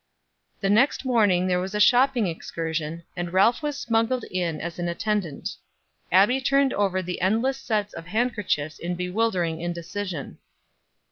The next morning there was a shopping excursion, and Ralph was smuggled in as an attendant. Abbie turned over the endless sets of handkerchiefs in bewildering indecision.